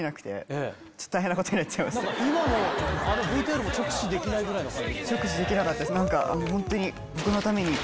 今もＶＴＲ直視できないぐらいですか？